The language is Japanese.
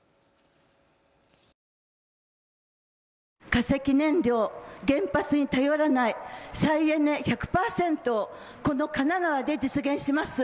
化石燃料、原発に頼らない、再エネ１００％、この神奈川で実現します。